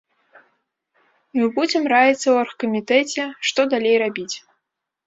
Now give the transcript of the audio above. Мы будзем раіцца ў аргкамітэце, што далей рабіць.